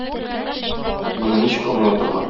Моны ничек аңлатырга?